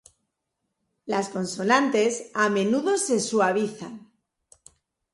Las consonantes a menudo se suavizan.